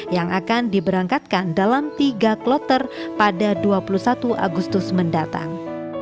yang akan diberangkatkan dalam tiga kloter pada dua puluh satu agustus mendatang